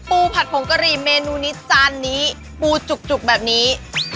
ผัดผงกะหรี่เมนูนี้จานนี้ปูจุกแบบนี้